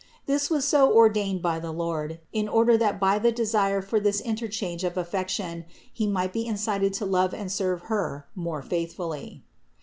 This was so ordained by the Lord, in order that by the desire for this interchange of affection he might be incited to love and serve Her more faithfully.